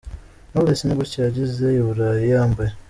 Knowless ni gutya yagiye i Burayi yambaye.